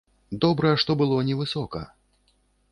Добра, што было невысока.